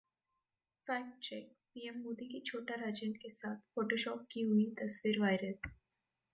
fact check: PM Modi की छोटा राजन के साथ फोटोशॉप की हुई तस्वीर वायरल